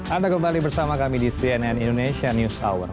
anda kembali bersama kami di cnn indonesia news hour